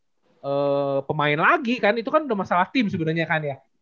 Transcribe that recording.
itu sebenernya bukan masalah pemain lagi kan itu kan udah masalah tim sebenernya kan ya